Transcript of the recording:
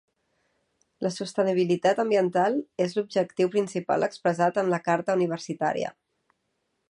La sostenibilitat ambiental és l'objectiu principal expressat en la carta universitària.